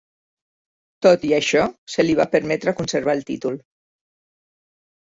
Tot i això, se li va permetre conservar el títol.